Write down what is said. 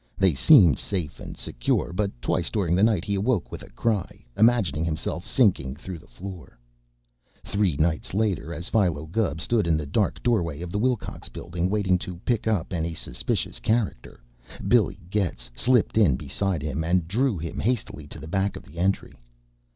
They seemed safe and secure, but twice during the night he awoke with a cry, imagining himself sinking through the floor. Three nights later, as Philo Gubb stood in the dark doorway of the Willcox Building waiting to pick up any suspicious character, Billy Getz slipped in beside him and drew him hastily to the back of the entry.